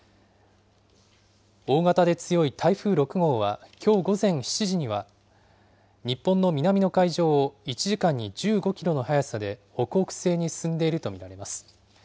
大型で強い台風６号は、きょう午前７時には、日本の南の海上を１時間に１５キロの速さで北北西に進んでいると見られます。